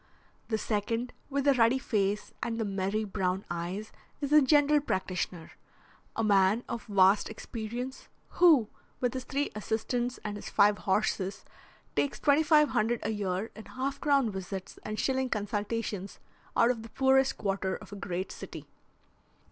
The second, with the ruddy face and the merry brown eyes, is a general practitioner, a man of vast experience, who, with his three assistants and his five horses, takes twenty five hundred a year in half crown visits and shilling consultations out of the poorest quarter of a great city.